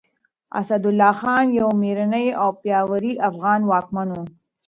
اسدالله خان يو مېړنی او پياوړی افغان واکمن و.